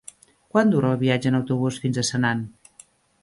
Quant dura el viatge en autobús fins a Senan?